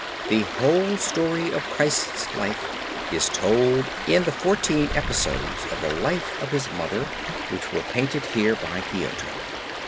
The whole story of Christ's life is told in the fourteen episodes of the life of his Mother which were painted here by Giotto.